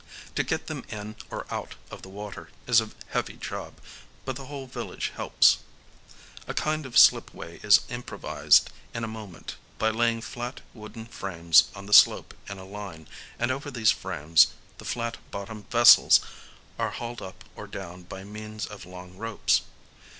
To get them in or out of the water is a heavy job; but the whole village helps. A kind of slipway is improvised in a moment by laying flat wooden frames on the slope in a line; and over these frames the flat bottomed vessels are hauled up or down by means of long ropes.